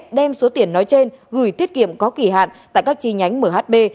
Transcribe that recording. mhbs đem số tiền nói trên gửi thiết kiệm có kỳ hạn tại các chi nhánh mhb